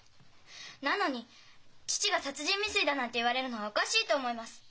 なのに父が殺人未遂だなんて言われるのはおかしいと思います。